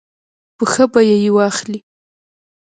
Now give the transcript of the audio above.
په ښه بیه یې واخلي.